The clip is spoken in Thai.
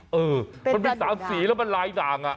มันเป็นสามสีแล้วมันลายด่าง